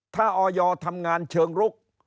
ถ้าออยทำงานเชิงลุก